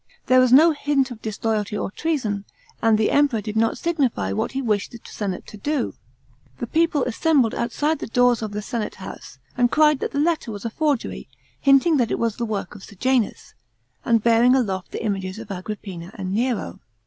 There was no hint of disloyalty or treason, and the Etnporor did not signify what he wished the senate to do. The people assembled outside the doors of the senate house, and cried that the letter was a forgery, hinting that it was the work of Sejanus, and bearing aloft the images of Agrippina and Nero.